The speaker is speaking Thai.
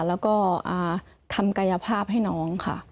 แล้วก็ทำกายภาพให้น้องค่ะ